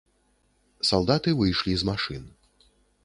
Салдаты выйшлі з машын.